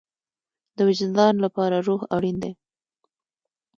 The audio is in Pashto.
د وجدان لپاره روح اړین دی